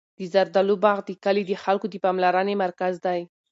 د زردالو باغ د کلي د خلکو د پاملرنې مرکز دی.